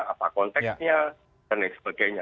apa konteksnya dan lain sebagainya